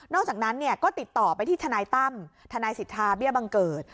อกจากนั้นก็ติดต่อไปที่ทนายตั้มทนายสิทธาเบี้ยบังเกิด